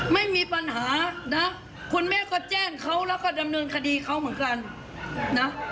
ไม่มีปัญหานะคุณแม่ก็แจ้งเขาแล้วก็ดำเนินคดีเขาเหมือนกันนะ